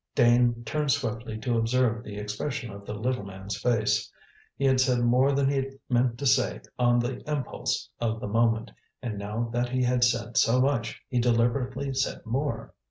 Dane turned swiftly to observe the expression of the little man's face. He had said more than he meant to say on the impulse of the moment, and now that he had said so much, he deliberately said more.